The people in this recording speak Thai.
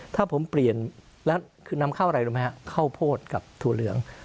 ถ้าผมเปลี่ยนแล้วคือนำเข้าอะไรรู้ไหมฮะข้าวโพดกับถั่วเหลือง